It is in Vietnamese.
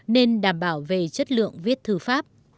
nên đảm bảo về chất lượng viết thư pháp